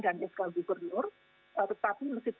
yang sudah diketahkan tapi pada dasarnya